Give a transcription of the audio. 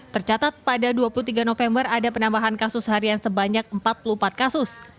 tercatat pada dua puluh tiga november ada penambahan kasus harian sebanyak empat puluh empat kasus